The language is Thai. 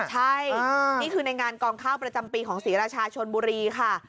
ใช่นี่คือในงานกองข้าวประจำปีของศรีราชาชนบุรีค่ะ